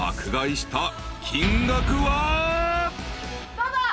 どうぞ。